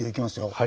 はい。